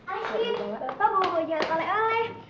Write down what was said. aishin bapak mau jalan oleh oleh